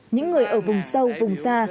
những người ở vùng sâu vùng xa